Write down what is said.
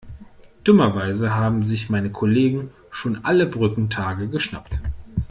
Dummerweise haben sich meine Kollegen schon alle Brückentage geschnappt.